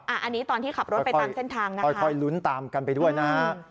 อันนี้ตอนที่ขับรถไปตามเส้นทางนะค่อยลุ้นตามกันไปด้วยนะฮะ